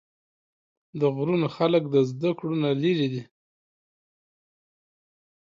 د غرونو خلق د زدکړو نه لرې دي